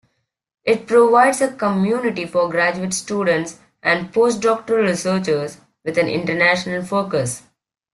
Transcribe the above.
It provides a community for graduate students and postdoctoral researchers, with an international focus.